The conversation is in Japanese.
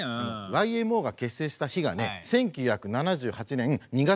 ＹＭＯが結成した日が１９７８年２月１９日なんですよ。